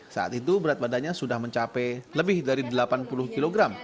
saat itu berat badannya sudah mencapai lebih dari delapan puluh kg